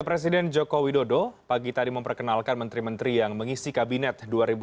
presiden joko widodo pagi tadi memperkenalkan menteri menteri yang mengisi kabinet dua ribu sembilan belas dua ribu dua puluh empat